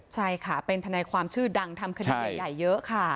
ใช่ค่ะเป็นทนายความชื่อดังทำคดีใหญ่เยอะค่ะ